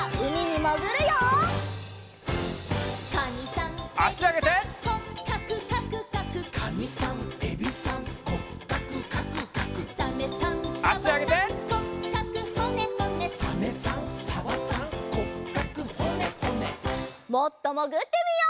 もっともぐってみよう！